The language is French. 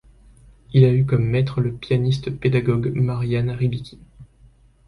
Il a eu comme maître le pianiste pédagogue Marian Ribicky.